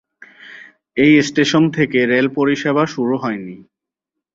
এই স্টেশন থেকে রেল পরিষেবা শুরু হয়নি।